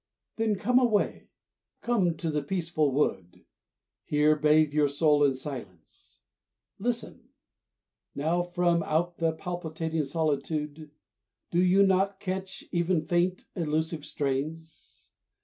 Then come away, come to the peaceful wood, Here bathe your soul in silence. Listen! Now, From out the palpitating solitude Do you not catch, yet faint, elusive strains?